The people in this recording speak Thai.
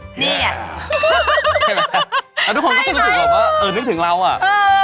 นี่ไงใช่ไหมครับแล้วทุกคนก็จะรู้สึกว่าเออนึกถึงเราอะใช่ค่ะ